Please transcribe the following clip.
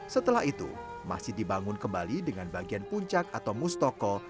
setelah itu masjid dibangun kembali dengan bagian puncak atau mustoko